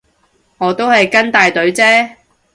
我都係跟大隊啫